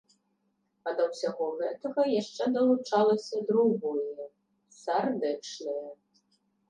А да ўсяго гэтага яшчэ далучылася другое, сардэчнае.